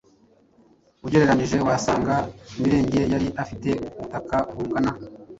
Ugereranyije, wasanga Mirenge yari afite ubutaka bungana